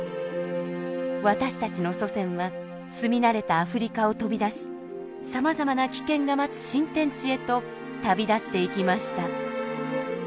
私たちの祖先は住み慣れたアフリカを飛び出しさまざまな危険が待つ新天地へと旅立っていきました。